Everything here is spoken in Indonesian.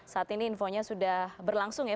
saat ini infonya sudah berlangsung ya